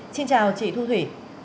xin chào chị thu thủy